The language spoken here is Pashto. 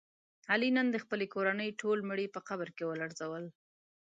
علي نن د خپلې کورنۍ ټول مړي په قبر کې ولړزول.